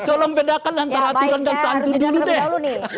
jolong bedakan antara santun dan aturan dulu deh